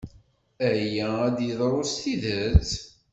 Aya ad yeḍru s tidet?